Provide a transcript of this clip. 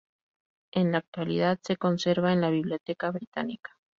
En la actualidad se conservan en la Biblioteca Británica.